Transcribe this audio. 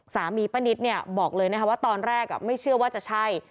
ป้านิตบอกเลยนะคะว่าตอนแรกไม่เชื่อว่าจะใช่